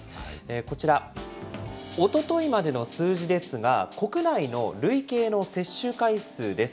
こちら、おとといまでの数字ですが、国内の累計の接種回数です。